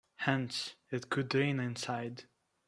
Hence, it could rain inside.